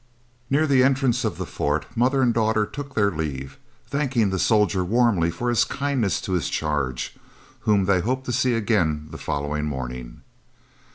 Near the entrance of the Fort mother and daughter took their leave, thanking the soldier warmly for his kindness to his charge, whom they hoped to see again the following morning.